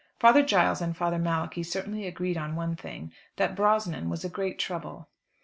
Father Giles and Father Malachi certainly agreed on one thing that Brosnan was a great trouble.